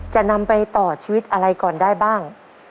จะนำไปต่อชีวิตอะไรก่อนได้บ้าง